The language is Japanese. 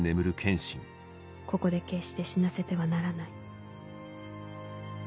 ここで決して死なせてはならない」。